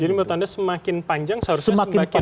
jadi menurut anda semakin panjang seharusnya semakin meningkatkan